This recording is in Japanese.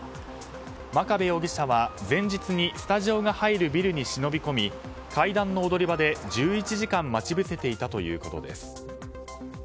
真壁容疑者は前日にスタジオが入るビルに忍び込み階段の踊り場で１１時間待ち伏せていたということです。